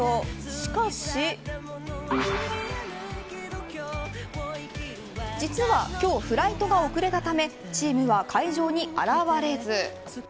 しかし実は、今日フライトが遅れたためチームは会場に現れず。